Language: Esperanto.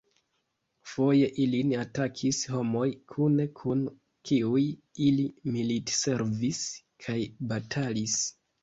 Foje ilin atakis homoj, kune kun kiuj ili militservis kaj batalis.